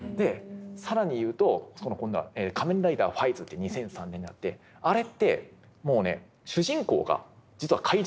更に言うと今度は「仮面ライダー５５５」って２００３年にあってあれってもうね主人公が実は怪人なんですよ。